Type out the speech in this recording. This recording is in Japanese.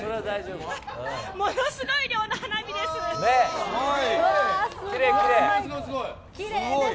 ものすごい量の花火です。